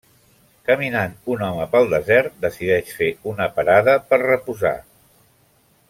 Caminant un home pel desert, decideix fer una parada per reposar.